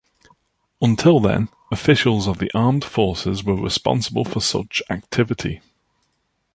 Until then, officials of the Armed Forces were responsible for such activity.